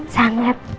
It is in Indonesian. pasang lmg jijik